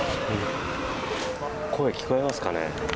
声、聞こえますかね。